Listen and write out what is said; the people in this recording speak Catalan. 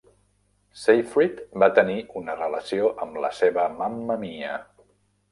Seyfried va tenir una relació amb la seva Mamma Mia!